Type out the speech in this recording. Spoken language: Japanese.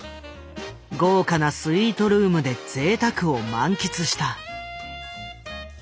豪華なスイートルームでぜいたくを満喫した。